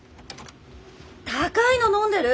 高いの飲んでる？